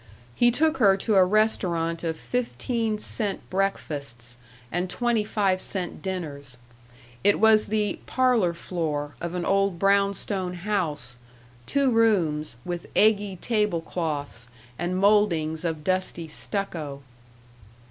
He took her to a restaurant of fifteen cent breakfasts and twenty five cent dinners. It was the "parlor floor" of an old brownstone house two rooms, with eggy table cloths, and moldings of dusty stucco.